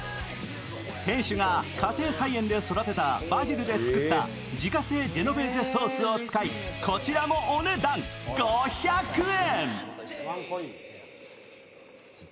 店主が家庭菜園で育てたバジルで作った自家製ジェノベーゼソースを使い、こちらもお値段５００円。